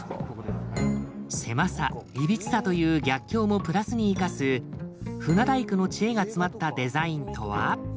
狭さ歪さという逆境もプラスに生かす船大工の知恵が詰まったデザインとは？